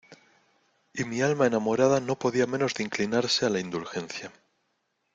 y mi alma enamorada no podía menos de inclinarse a la indulgencia.